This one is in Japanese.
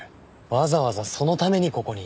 わざわざそのためにここに？